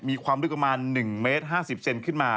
มีความลึกประมาณ๑เมตร๕๐เซนขึ้นมา